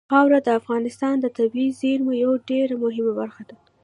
خاوره د افغانستان د طبیعي زیرمو یوه ډېره مهمه برخه ده.